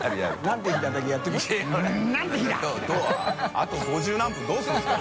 あと五十何分どうするんですか？